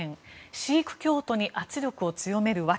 シーク教徒に圧力を強める訳。